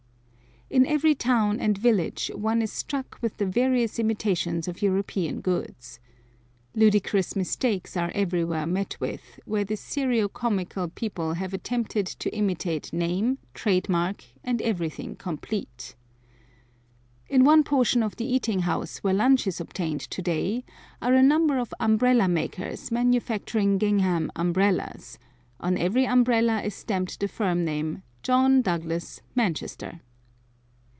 In every town and village one is struck with the various imitations of European goods. Ludicrous mistakes are everywhere met with, where this serio comical people have attempted to imitate name, trade mark, and everything complete. In one portion of the eating house where lunch is obtained to day are a number of umbrella makers manufacturing gingham umbrellas; on every umbrella is stamped the firm name "John Douglas, Manchester."